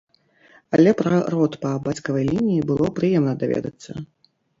Але пра род па бацькавай лініі было прыемна даведацца.